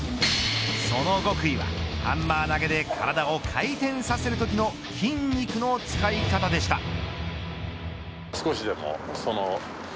その極意はハンマー投げで体を回転させるときの筋肉の使い方でした。